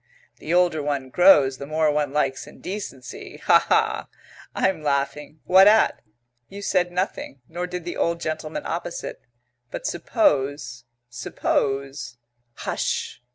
The older one grows the more one likes indecency. Hah, hah! I'm laughing. What at? You said nothing, nor did the old gentleman opposite.... But suppose suppose Hush!"